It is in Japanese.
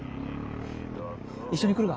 一緒に来るか？